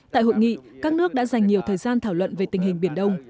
tại hội nghị các nước đã dành nhiều thời gian thảo luận về tình hình biển đông